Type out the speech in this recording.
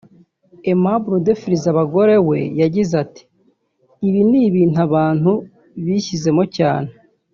Aimable udefiriza abagore we yagize ati “Ibi ni ibintu abantu bishyizemo cyane